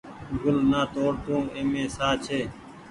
گل نآ توڙ تو اي مين ساه ڇي۔